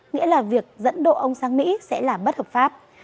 nghĩa là việc dẫn độ ông sang mỹ sẽ là bất hợp pháp